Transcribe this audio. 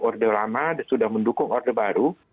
orde lama sudah mendukung orde baru